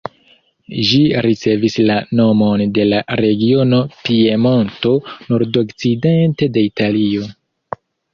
Ĝi ricevis la nomon de la regiono Piemonto, nordokcidente de Italio.